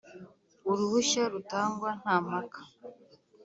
uruhushya rutangwa nta mpaka